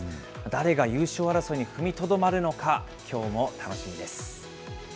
誰が優勝争いに踏みとどまるのか、きょうも楽しみです。